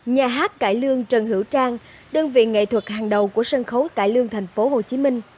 nhà hát cải lương trần hữu trang đơn vị nghệ thuật hàng đầu của sân khấu cải lương thành phố hồ chí minh